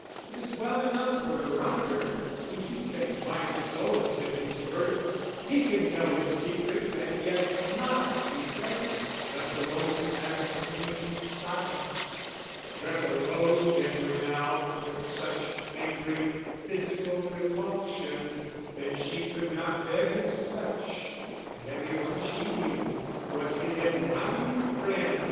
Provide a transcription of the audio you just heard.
It is well enough for the writer, he can find solace in his words, he can tell his secret and yet not betray it: but the woman has only silence. Bertha loathed Edward now with such angry, physical repulsion that she could not bear his touch; and every one she knew, was his admiring friend.